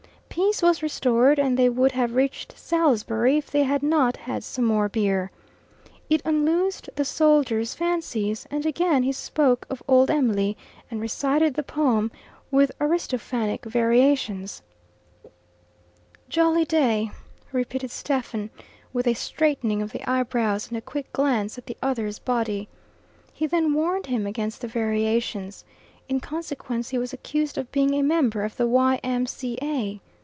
Peace was restored, and they would have reached Salisbury if they had not had some more beer. It unloosed the soldier's fancies, and again he spoke of old Em'ly, and recited the poem, with Aristophanic variations. "Jolly day," repeated Stephen, with a straightening of the eyebrows and a quick glance at the other's body. He then warned him against the variations. In consequence he was accused of being a member of the Y.M.C.A.